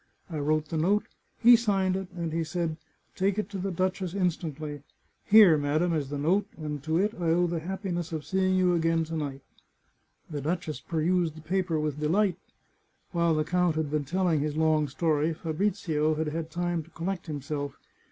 I wrote the note, he signed it, and he said, ' Take it to the duchess instantly.' Here, madam, is the note, and to it I owe the happiness of seeing you again to night." The duchess perused the paper with delight. While the count had been telling his long story Fabrizio had had time to collect himself.